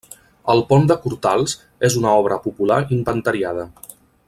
El Pont de Cortals és una obra popular inventariada.